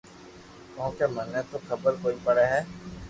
ڪونڪھ مني تو خبر ڪوئي پڙي ھي